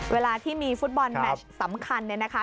เวลาที่มีฟุตบอลแมชสำคัญเนี่ยนะคะ